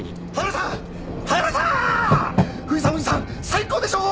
最高でしょ？